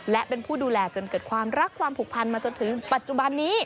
และเป็นผู้ดูแลจนเกิดความรักความผูกพันมาจนถึงปัจจุบันนี้